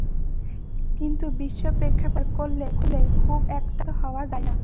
কিন্তু বিশ্ব প্রেক্ষাপটে বিচার করলে খুব একটা আশ্বস্ত হওয়া যায় না।